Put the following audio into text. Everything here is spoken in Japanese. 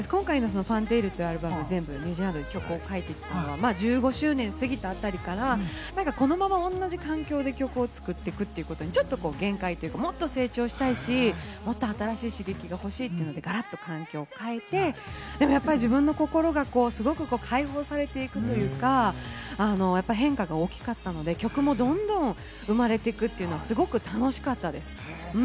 『Ｆｕｎｔａｌｅ』というアルバム、ニュージーランドで全部曲を書いて、１５周年を過ぎたあたりから、このまま同じ環境で曲を作っていくということにちょっと限界、もっと成長したいし、もっと新しい刺激が欲しいというのでガラッと環境を変えて、でもやっぱり自分の心が解放されていくというか、変化が大きかったので、曲もどんどん生まれていくというのはすごく楽しかったです。